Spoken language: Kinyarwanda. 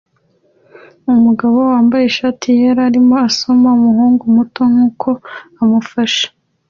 Umugabo wambaye ishati yera arimo asoma umuhungu muto nkuko amufashe